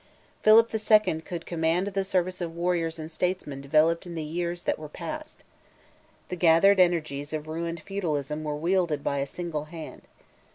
Philip the Second could command the service of warriors and statesmen developed in the years that were past. The gathered energies of ruined feudalism were wielded by a single hand.